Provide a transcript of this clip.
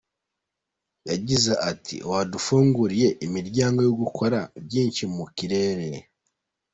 Yagize ati “Wadufunguriye imiryango yo gukora byinshi mu kirere.